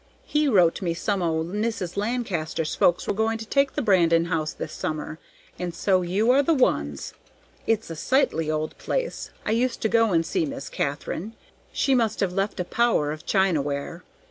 'He' wrote me some o' Mrs. Lancaster's folks were going to take the Brandon house this summer; and so you are the ones? It's a sightly old place; I used to go and see Miss Katharine. She must have left a power of china ware.